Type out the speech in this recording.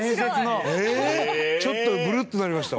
ちょっとブルッとなりました。